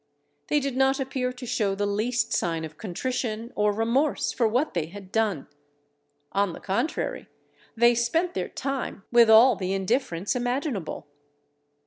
They did not appear to show the least sign of contrition or remorse for what they had done; on the contrary they spent their time with all the indifference imaginable.